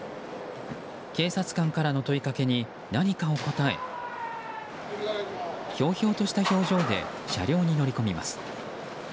警察官からの問いかけに何かを答えひょうひょうとした表情で車両に乗り込みます。